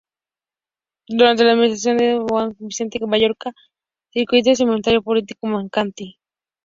Durante la administración de don Juan Vicente Villacorta, circuló "El Semanario Político Mercantil".